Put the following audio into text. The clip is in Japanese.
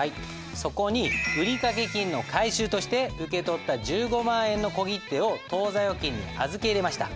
そこに売掛金の回収として受け取った１５万円の小切手を当座預金に預け入れました。